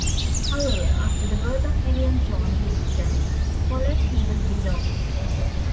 However, after the birth of William John Lydston Poulett he was disowned.